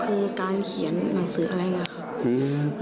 คือการเขียนหนังสืออะไรนะครับ